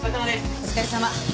お疲れさまです！